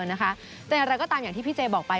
แต่อย่างไรก็ตามอย่างที่พี่เจบอกไป